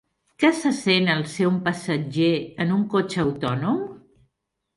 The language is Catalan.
Què se sent al ser un passatger en un cotxe autònom?